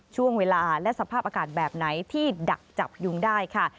ช่วงเวลาและสภาพอากาศแบบไหนที่ดักจับยุงได้ค่ะ